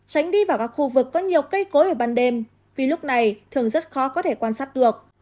tránh đi vào các khu vực có nhiều cây cối ở ban đêm vì lúc này thường rất khó có thể quan sát được